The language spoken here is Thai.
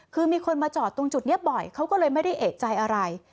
คือมีคนมาจอดตรงจุดนี้บ่อยเขาก็เลยไม่ได้เอกใจอะไร